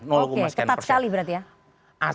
oke ketat sekali berarti ya